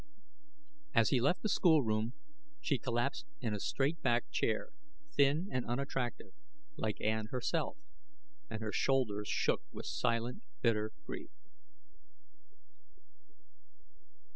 As he left the schoolroom she collapsed in a straight backed chair thin and unattractive, like Ann herself and her shoulders shook with silent, bitter grief.